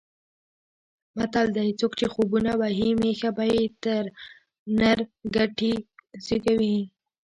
متل دی: څوک چې خوبونه وهي مېښه به یې نر کټي زېږوي.